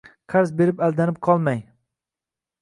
Qarz berib aldanib qolmangng